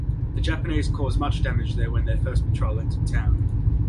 The Japanese caused much damage there when their first patrol entered town.